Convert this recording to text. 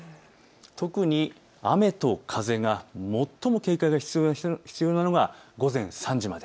特に雨と風が最も警戒が必要なのが午前３時まで。